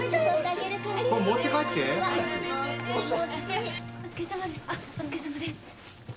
あっお疲れさまです。